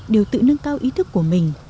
đều tự nâng cao ý thức của mình